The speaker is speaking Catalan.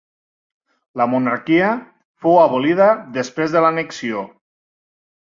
La monarquia fou abolida després de l'annexió.